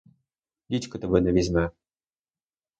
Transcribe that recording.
Дідько тебе не візьме!